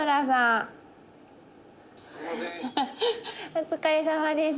お疲れさまです。